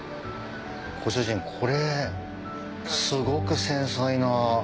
ご主人これすごく繊細な。